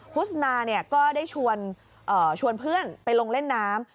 โฆษณาก็ได้ชวนเพื่อนไปลงเล่นน้ำ